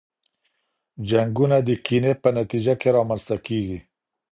جنګونه د کینې په نتیجه کي رامنځته کیږي.